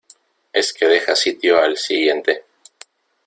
es que deja sitio al siguiente.